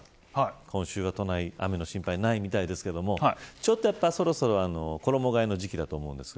今週の都内、雨の心配ないみたいですけどそろそろ衣替えの時期だと思うんですが。